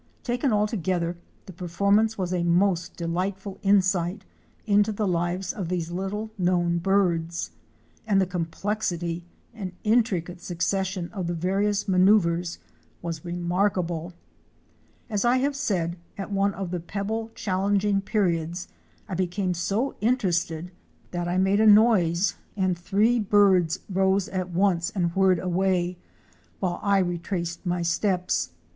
Taken altogether, the performance was a most delightful insight into the lives of these little known birds, and the complexity and intricate succession of the various maneuvres was remarkable. As I have said, at one of the pebble champ ing periods I become so interested that I made a noise and the 338 OUR SEARCH FOR A WILDERNESS. three birds rose at once and whirred away, while I retraced my steps.